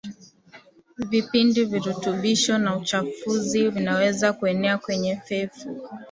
Vipindi virutubisho na uchafuzi vinaweza kuenea kwenye fefu